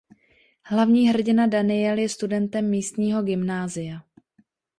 Hlavní hrdina Daniel je studentem místního gymnázia.